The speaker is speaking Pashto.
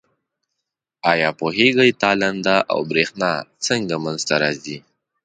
آیا پوهیږئ تالنده او برېښنا څنګه منځ ته راځي؟